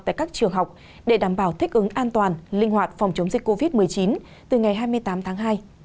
tại các trường học để đảm bảo thích ứng an toàn linh hoạt phòng chống dịch covid một mươi chín từ ngày hai mươi tám tháng hai